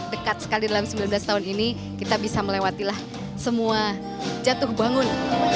dekat sekali dalam sembilan belas tahun ini kita bisa melewatilah semua jatuh bangun